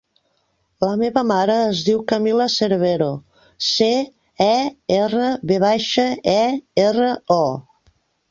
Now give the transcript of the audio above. La meva mare es diu Camila Cervero: ce, e, erra, ve baixa, e, erra, o.